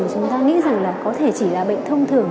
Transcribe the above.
chúng ta nghĩ rằng là có thể chỉ là bệnh thông thường